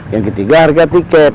yang ketiga harga tiket